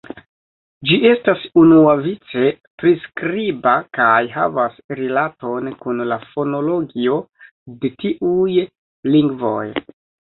Ĝi estas unuavice priskriba kaj havas rilaton kun la fonologio de tiuj lingvoj.